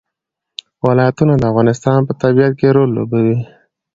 ولایتونه د افغانستان په طبیعت کې رول لوبوي.